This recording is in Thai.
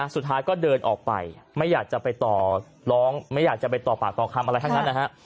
สุดท้ายก็เดินออกไปไม่อยากจะไปต่อร้องไม่อยากจะไปต่อปากต่อคำอะไรทั้งนั้นนะฮะ